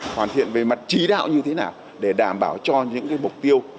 hoàn thiện về mặt trí đạo như thế nào để đảm bảo cho những mục tiêu